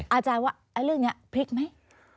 อาจารย์ว่าเรื่องนี้พลิกไหม